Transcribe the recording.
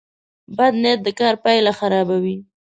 بد نیت د کار پایله خرابوي.